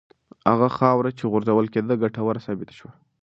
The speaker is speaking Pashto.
هغه خاوره چې غورځول کېده ګټوره ثابته شوه.